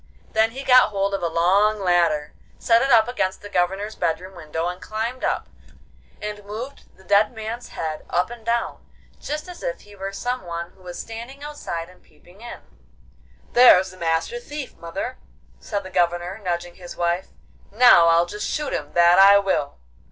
Then he got hold of a long ladder, set it up against the Governor's bedroom window, and climbed up and moved the dead man's head up and down, just as if he were some one who was standing outside and peeping in. 'There's the Master Thief, mother!' said the Governor, nudging his wife. 'Now I'll just shoot him, that I will!